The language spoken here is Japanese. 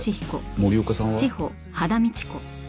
森岡さんは？